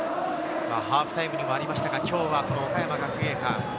ハーフタイムにもありましたが、岡山学芸館。